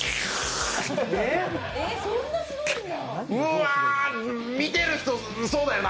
うわ、見てる人そうだよな。